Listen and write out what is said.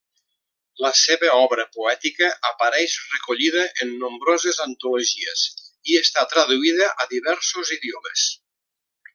La seva obra poètica apareix recollida en nombroses antologies i està traduïda a diversos idiomes.